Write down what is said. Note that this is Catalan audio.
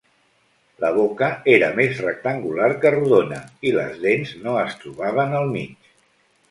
La boca era més rectangular que rodona, i les dents no es trobaven al mig.